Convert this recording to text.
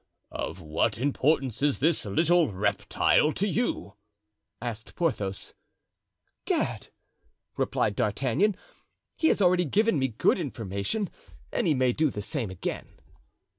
"Of what importance is this little reptile to you?" asked Porthos. "Gad!" replied D'Artagnan; "he has already given me good information and he may do the same again."